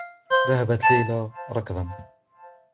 ذهبت ليلى ركضا.